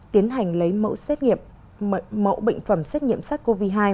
tiến hành lấy mẫu bệnh phẩm xét nghiệm sars cov hai